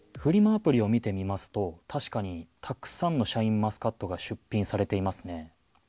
アプリを見てみますと、確かに、たくさんのシャインマスカットが出品されていますね。